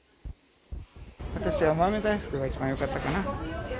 私は豆大福が一番よかったかな。